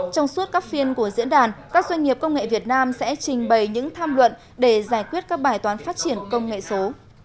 trong suốt các phiên của diễn đàn các doanh nghiệp công nghệ việt nam sẽ trình bày những tham luận để giải quyết các bài toán phát triển công nghệ số